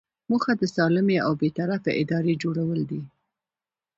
موخه د سالمې او بې طرفه ادارې جوړول دي.